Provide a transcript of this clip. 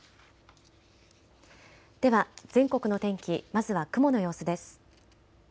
では全国の天気、まずは雲の様子です。